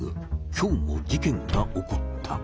今日も事件が起こった。